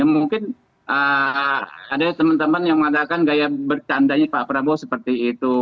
mungkin ada teman teman yang mengatakan gaya bercandanya pak prabowo seperti itu